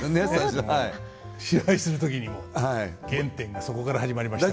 芝居する時にも原点がそこから始まりました。